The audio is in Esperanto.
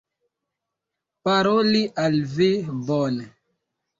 paroli al vi, bone.